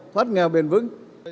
thoát nghèo bền vững